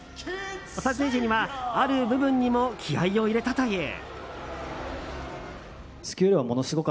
撮影時にはある部分にも気合を入れたという。